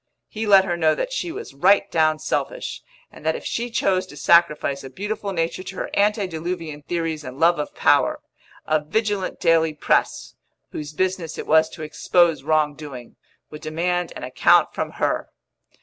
He let her know that she was right down selfish, and that if she chose to sacrifice a beautiful nature to her antediluvian theories and love of power, a vigilant daily press whose business it was to expose wrong doing would demand an account from her.